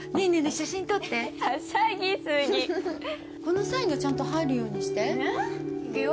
写真撮ってこのサインがちゃんと入るようにしてえっ？